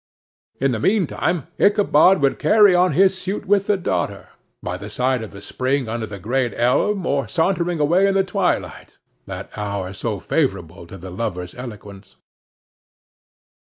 In the mean time, Ichabod would carry on his suit with the daughter by the side of the spring under the great elm, or sauntering along in the twilight, that hour so favorable to the lover's eloquence.